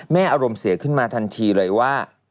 อารมณ์เสียขึ้นมาทันทีเลยว่า